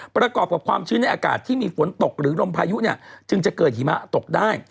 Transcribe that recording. ประกอบกับความชื้นในอากาศที่มีฝนตกหรือลมพายุเนี่ยจึงจะเกิดหิมะตกได้